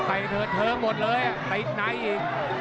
ไอเธอเธอหมดเลยอ่ะไอไอ้ไหนอีก